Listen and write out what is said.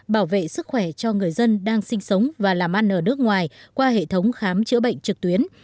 bảo vệ sức khỏe cho người dân đang sinh sống và làm ăn ở nước ngoài qua hệ thống khám chữa bệnh trực tuyến